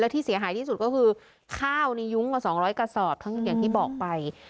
แล้วที่เสียหายที่สุดก็คือข้าวนี้ยุ้งกว่าสองร้อยกระสอบทั้งอย่างที่ไป